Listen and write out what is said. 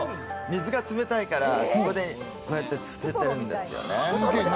水が冷たいからここでこうやってつけてるんですよね。